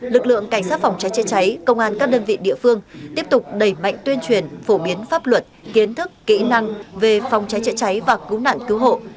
lực lượng cảnh sát phòng cháy chữa cháy công an các đơn vị địa phương tiếp tục đẩy mạnh tuyên truyền phổ biến pháp luật kiến thức kỹ năng về phòng cháy chữa cháy và cứu nạn cứu hộ